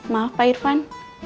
maaf pak irfan